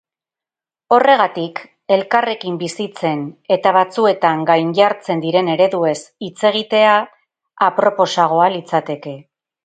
Horregatik, elkarrekin bizitzen eta batzuetan gainjartzen diren ereduez hitz egitea aproposagoa litzateke.